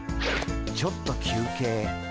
ちょっと休憩。